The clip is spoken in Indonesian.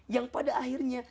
yang pada akhirnya